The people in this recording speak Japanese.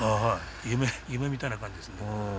夢みたいな感じです。